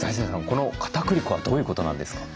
このかたくり粉はどういうことなんですか？